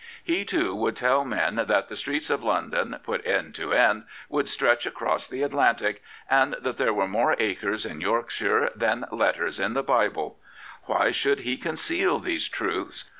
He, too, would tell men that the streets of London, put end to end, would stretch across the Atlantic, and^that there were more acres in Yorkshire than letters in the Bible, Why should he conceal these truths?